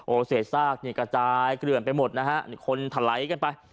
โอ้เสศาสตร์เนี่ยกระจายเกลื่อนไปหมดนะฮะคนถาไร้กันไป